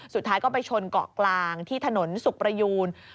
สุดท้ายก็ไปชนเกาะกลางที่ถนนสุขประยูน